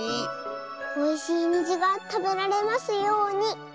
おいしいにじがたべられますように。